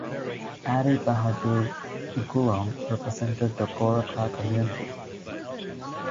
Ari Bahadur Gurung represented the Gorkha Community.